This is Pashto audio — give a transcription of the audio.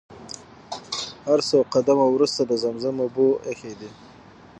هر څو قدمه وروسته د زمزم اوبه ايښي دي.